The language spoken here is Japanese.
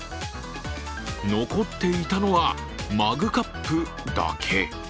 残っていたのはマグカップだけ。